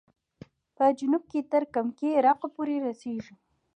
په جنوب کې تر کمکي عراق پورې رسېږي.